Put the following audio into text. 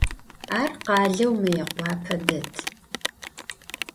Ar khaleu Mıêkhuape det.